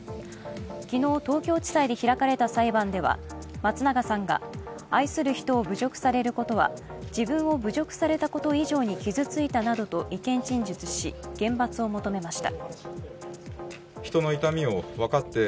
昨日、東京地裁で開かれた裁判では松永さんが愛する人を侮辱されることは、自分を侮辱されること以上に傷ついたなどと意見陳述し厳罰を求めました。